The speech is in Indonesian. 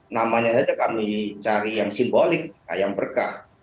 namanya saja kami cari yang simbolik ayam berkah